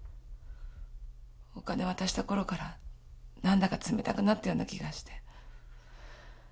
お金渡した頃からなんだか冷たくなったような気がして。